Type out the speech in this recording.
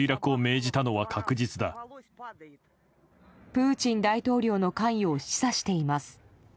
プーチン大統領の関与を示唆しています。